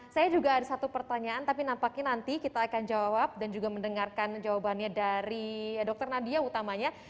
saya juga ada satu pertanyaan tapi nampaknya nanti kita akan jawab dan juga mendengarkan jawabannya dari dr nadia utamanya